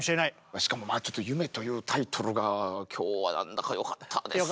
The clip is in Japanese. しかもちょっと「夢」というタイトルが今日は何だかよかったですね。